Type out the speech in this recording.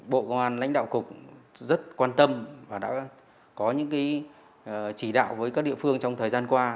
bộ cơ quan lãnh đạo cục rất quan tâm và đã có những cái chỉ đạo với các địa phương trong thời gian qua